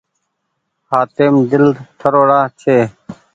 هآتيم دل ٺرو ڙآ ڇي۔